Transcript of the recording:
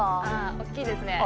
大っきいですね。